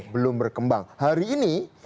belum berkembang hari ini